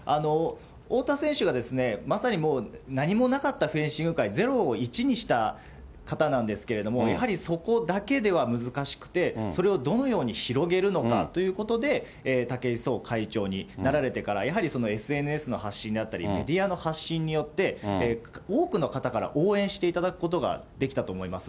太田選手が、まさにもう、何もなかったフェンシング界、ゼロを１にした方なんですけれども、やはりそこだけでは難しくて、それをどのように広げるのかということで、武井壮会長になられてから、やはりＳＮＳの発信であったり、メディアの発信によって、多くの方から応援していただくことができたと思います。